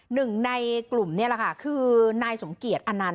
หนึ่งในกลุ่มนี่แหละค่ะคือนายสมเกียจอนันต